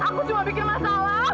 aku cuma bikin masalah